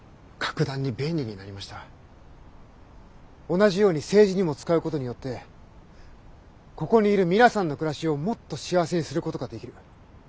同じように政治にも使うことによってここにいる皆さんの暮らしをもっと幸せにすることができる。